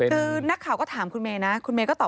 คือนักข่าวก็ถามคุณเมย์นะ